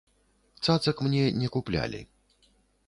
Цацак мне не куплялі.